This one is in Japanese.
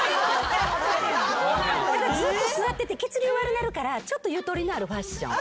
ずっと座ってて血流悪なるからちょっとゆとりのあるファッション。